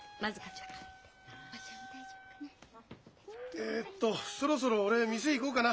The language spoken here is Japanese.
えっとそろそろ俺店行こうかな。